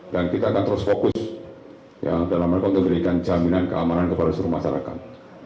dan kita akan terus fokus dalam berikan jaminan keamanan kepada seluruh masyarakat